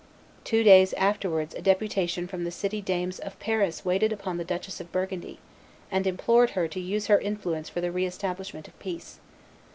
Two days afterwards a deputation from the city dames of Paris waited upon the Duchess of Burgundy, and implored her to use her influence for the re establishment of peace.